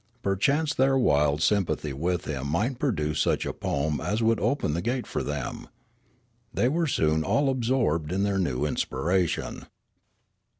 Perchance their wild sym pathy with him might produce such a poem as would open the gate for them. They were soon all absorbed in their new inspiration.